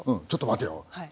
「ちょっと待てよ。